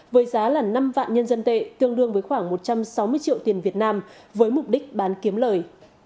với giá là năm vạn nhân dân tệ tương đương với khoảng một trăm sáu mươi triệu tiền việt nam với mục đích bán kiếm lời